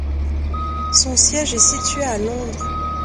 Son siège est situé à Londres.